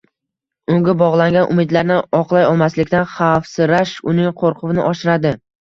Unga bog‘langan umidlarni oqlay olmaslikdan xavfsirash uning qo‘rquvini oshiradi.